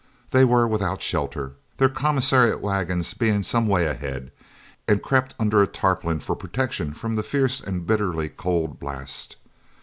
They were without shelter, their commissariat waggons being some way ahead, and crept under a tarpaulin for protection from the fierce and bitterly cold blast.